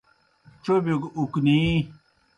ڇوبِیو گہ اُکنی۔